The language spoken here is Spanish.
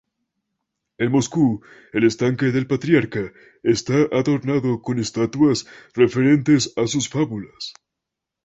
En Moscú, el estanque del Patriarca está adornado con estatuas referentes a sus fábulas.